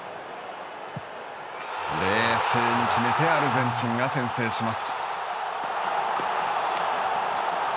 冷静に決めてアルゼンチンが先制します。